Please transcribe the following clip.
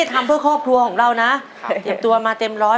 ทำเพื่อครอบครัวของเรานะเก็บตัวมาเต็มร้อย